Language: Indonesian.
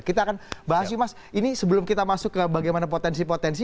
kita akan bahas ini sebelum kita masuk ke bagaimana potensi potensi